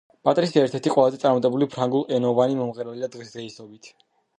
პატრისია ერთ–ერთი ყველაზე წარმატებული ფრანგულენოვანი მომღერალია დღესდღეობით.